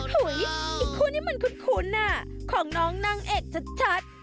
อีกคู่นี้มันคุ้นของน้องนางเอกชัด